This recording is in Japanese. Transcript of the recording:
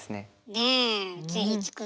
ねえぜひ作ってね